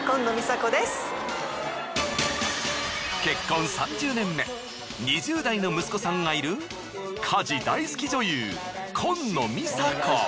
結婚３０年目２０代の息子さんがいる家事大好き女優紺野美沙子。